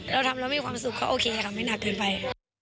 เราทำแล้วมีความสุขก็โอเคค่ะไม่หนักเกินไป